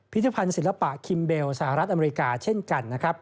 พิธภัณฑ์ศิลปะคิมเบลสหรัฐอเมริกาเช่นกันนะครับ